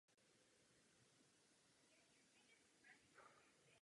Dosud je až tři metry hluboký.